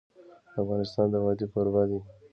افغانستان د وادي کوربه دی.